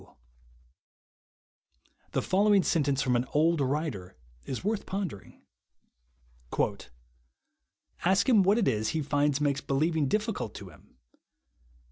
l^S The following sentence from an old ^yriter is worth pondering :—*' Ask him what it is he finds makes be lievino^ difficult to him